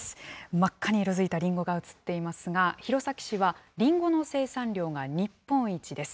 真っ赤に色づいたりんごが映っていますが、弘前市は、りんごの生産量が日本一です。